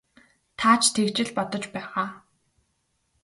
Та ч тэгж л бодож байгаа.